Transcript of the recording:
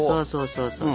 そうそう。